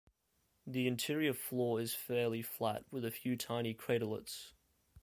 The interior floor is fairly flat, with a few tiny craterlets.